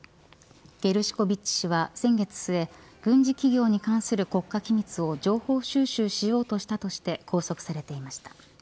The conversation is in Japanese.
ゲルシコビッチ氏は先月末軍事企業に関する国家機密を情報収集しようとしたとして拘束されていました。